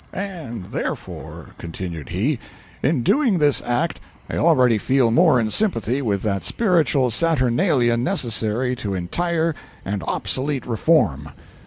"And therefore," continued he, "in doing this act I already feel more in sympathy with that spiritual saturnalia necessary to entire and obsolete reform."